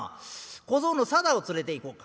小僧の定を連れていこうか」。